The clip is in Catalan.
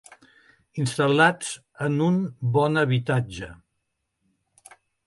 Instal·lats en un bon habitatge.